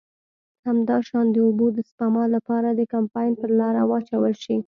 همداشان د اوبو د سپما له پاره د کمپاین پر لاره واچول شي.